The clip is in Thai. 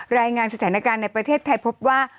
รายงานสถานการณ์ในประเทศไทยพบว่า